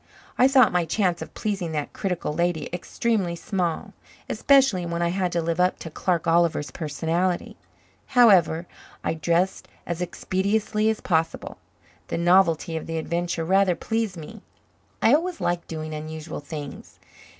I thought my chance of pleasing that critical lady extremely small, especially when I had to live up to Clark Oliver's personality. However, I dressed as expeditiously as possible. The novelty of the adventure rather pleased me. I always liked doing unusual things.